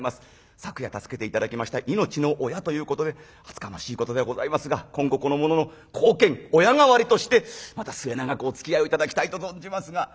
昨夜助けて頂きました命の親ということで厚かましいことではございますが今後この者の後見親代わりとしてまた末永くおつきあいを頂きたいと存じますが」。